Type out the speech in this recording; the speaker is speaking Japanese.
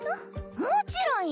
もちろんや。